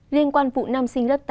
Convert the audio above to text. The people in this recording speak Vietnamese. liên quan vụ nam sinh lớp tám